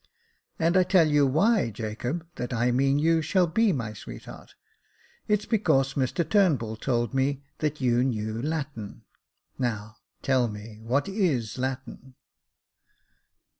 And I tell you why, Jacob, I mean that you shall be my sweetheart, it's because Mr Turnbull told me that you knew Latin ; now tell me, what is Latin